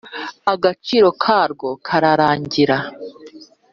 agaciro karwo kararangira